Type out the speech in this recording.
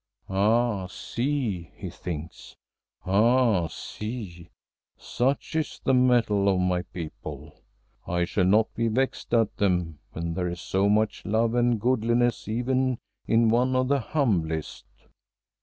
"Ah, see!" he thinks "Ah, see! such is the mettle of my people. I shall not be vexed at them when there is so much love and godliness even in one of the humblest."